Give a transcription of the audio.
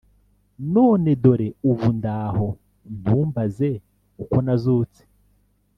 None dore ubu ndaho Ntumbaze uko nazutse